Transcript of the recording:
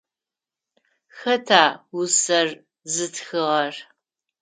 Хэта усэр зытхыгъэр?